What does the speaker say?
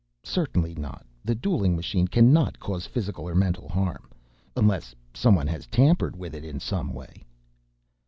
"Certainly not. The dueling machine cannot cause physical or mental harm ... unless someone has tampered with it in some way."